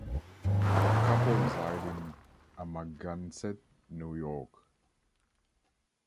The couple reside in Amagansett, New York.